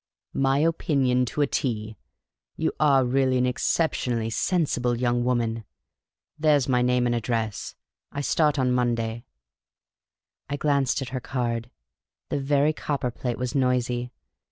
" My opinion to a T ! You are really an exceptionally sensible young woman. There 's my name and address ; I start on Monday." I glanced at her card. The very copperplate was noisy.